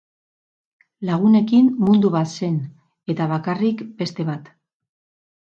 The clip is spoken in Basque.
Lagunekin mundu bat zen, eta bakarrik beste bat.